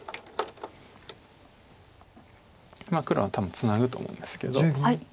黒は多分ツナぐと思うんですけど。